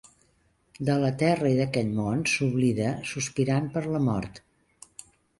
De la terra i d’aquest món s’oblida, sospirant per la mort.